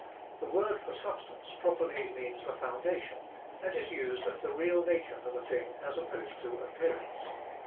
The word for substance properly means the foundation, and is used of the real nature of a thing as opposed to appearance.